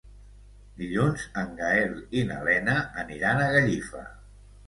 Dilluns en Gaël i na Lena aniran a Gallifa.